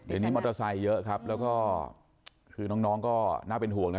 เดี๋ยวนี้มอเตอร์ไซค์เยอะครับแล้วก็คือน้องก็น่าเป็นห่วงนะ